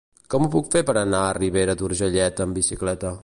Com ho puc fer per anar a Ribera d'Urgellet amb bicicleta?